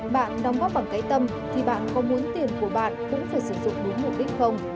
bạn đóng góp bằng cái tâm thì bạn có muốn tiền của bạn cũng phải sử dụng đúng mục đích không